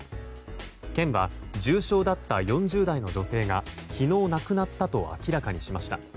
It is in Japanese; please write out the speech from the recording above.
県は重症だった４０代の女性が昨日亡くなったと明らかにしました。